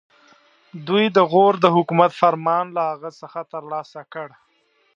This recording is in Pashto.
دوی د غور د حکومت فرمان له هغه څخه ترلاسه کړ.